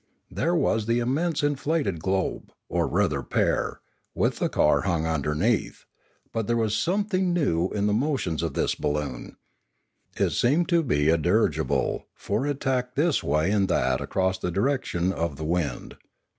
There was the immense inflated globe, or rather pear, with the car hung underneath; but there was something new in the motions of this balloon. It seemed to be dirigible, for it tacked this way and that across the direction of the wind.